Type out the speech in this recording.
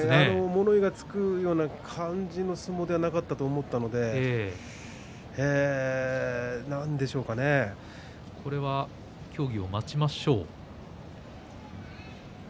物言いがつくような感じの相撲ではなかったと思うのでこれは協議を待ちましょう。